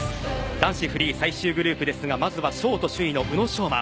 男子フリー最終グループですがまずはショート首位の宇野昌磨